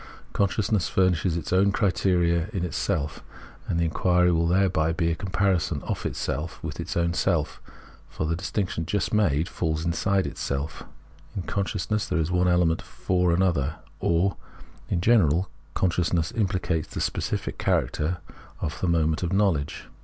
Consciousness furnislies its own criterion in itself, and the inquiry will thereby be a comparison of itself with its own self ; for the distinc tion, just made, falls inside itself. In consciousness there is one element for an other, or, in general, con sciousness impHcates the specific character of the moment of knowledge.